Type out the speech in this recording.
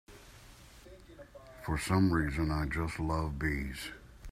For some reason I just love bees.